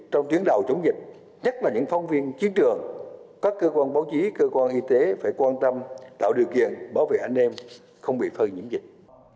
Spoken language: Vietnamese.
trong tuyến đầu chống dịch nhất là những phóng viên chiến trường các cơ quan báo chí cơ quan y tế phải quan tâm tạo điều kiện bảo vệ anh em không bị phơi nhiễm dịch